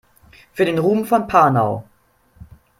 Für den Ruhm von Panau!